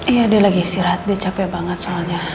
iya dia lagi istirahat dia capek banget soalnya